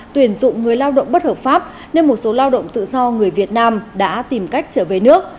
tuyển dụng người lao động bất hợp pháp nên một số lao động tự do người việt nam đã tìm cách trở về nước